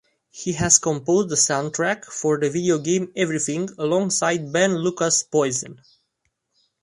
He has composed the soundtrack for the video game "Everything" alongside Ben Lukas Boysen.